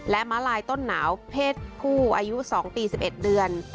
และม้าลายต้นหนาวเพศผู้อายุ๒ปี๑๑เดือน